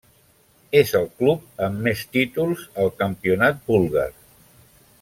És el club amb més títols al campionat búlgar.